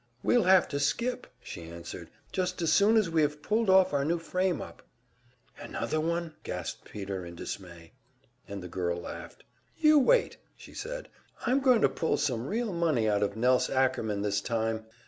"We'll have to skip," she answered; "just as soon as we have pulled off our new frame up " "Another one?" gasped Peter, in dismay. And the girl laughed. "You wait!" she said. "I'm going to pull some real money out of Nelse Ackerman this time!